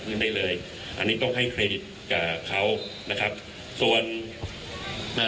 ได้เลยอันนี้ต้องให้เครดิตกับเขานะครับส่วนเอ่อ